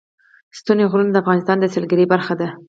ستوني غرونه د افغانستان د سیلګرۍ برخه ده.